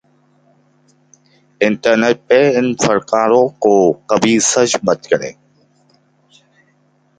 internet پر ان فنکاروں کو کبھی سرچ مت کریں